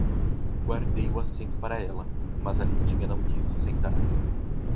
Guardei o assento para ela, mas a lindinha não quis se sentar.